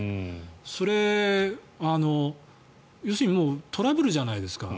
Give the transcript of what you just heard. それ要するにトラブルじゃないですか。